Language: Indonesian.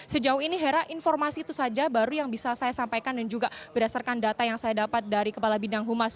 sejauh ini hera informasi itu saja baru yang bisa saya sampaikan dan juga berdasarkan data yang saya dapat dari kepala bidang humas